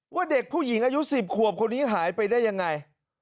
ว่าเด็กผู้หญิงอายุ๑๐ขวบคนนี้หายไปได้ยังไง